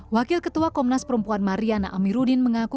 wakil ketua komnas perempuan mariana amiruddin mengaku